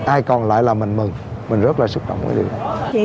ai còn lại là mình mừng mình rất là xúc động với điều này